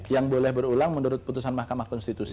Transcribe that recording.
yang boleh berulang menurut putusan mahkamah konstitusi